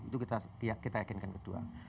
itu kita meyakinkan kedua